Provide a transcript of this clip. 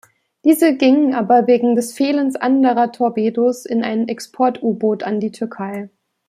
Diese gingen aber wegen des Fehlens anderer Torpedos in einem Export-U-Boot an die Türkei.